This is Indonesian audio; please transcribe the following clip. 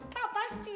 papa panggil dokter ya